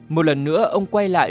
một lần nữa ông quay lại